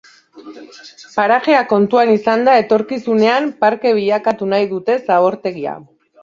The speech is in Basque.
Parajea kontuan izanda, etorkizunean, parke bilakatu nahi dute zabortegia.